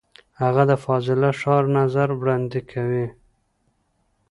هغه د فاضله ښار نظر وړاندې کوي.